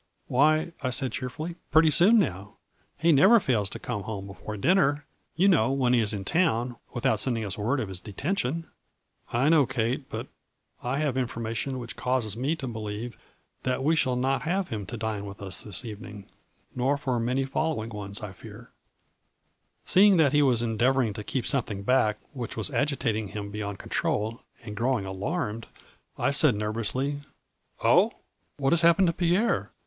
"' Why,' I said, cheerfully, ' pretty soon now. He never fails to come home before dinner, you know, when he is in town, without sending us word of his detention !'"' I know, Kate, but I have information which causes me to believe that we shall not have him to dine with us this evening nor for many fol lowing ones, I fear.' 116 FLUBRY IN DIAMONDS. Seeing that he was endeavoring to keep something back which was agitating him be yond control, and growing alarmed, I said nervously :"' Oh, what has happened to Pierre